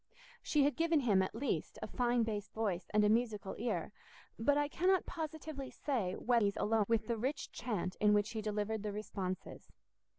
She had given him, at least, a fine bass voice and a musical ear; but I cannot positively say whether these alone had sufficed to inspire him with the rich chant in which he delivered the responses.